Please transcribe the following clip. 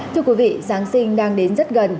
thưa quý vị giáng sinh đang đến rất gần